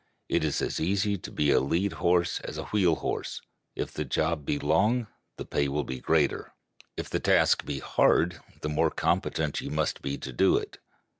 It is as easy to be a lead horse as a wheel horse. If the job be long, the pay will be greater; if the task be hard, the more competent you must be to do it.